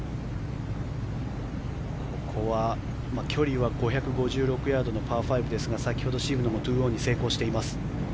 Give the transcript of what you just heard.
ここは距離は５５６ヤードのパー５ですが先ほど、渋野が２オンに成功しています。